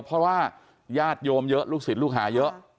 เพราะว่าญาติโยมเยอะลูกศิษย์ลูกหาเยอะ